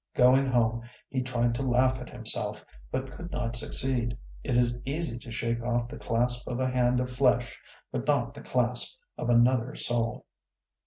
Going home he tried to laugh at himself, but could not succeed. It is easy to shake off the clasp of a hand of flesh, but not the clasp of another soul.